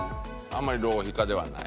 あんまり浪費家ではない？